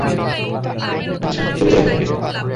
আচ্ছা, চলে যাও এখান থেকে!